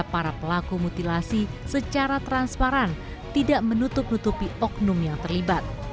para pelaku mutilasi secara transparan tidak menutup nutupi oknum yang terlibat